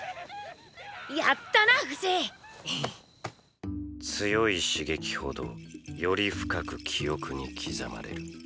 やったなフシ！強い刺激ほどより深く記憶に刻まれる。